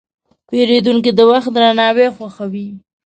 پیرودونکی د وخت درناوی خوښوي.